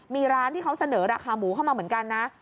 มีร้านที่เขาเสนอราคาหมูเข้ามาเหมือนกันนะ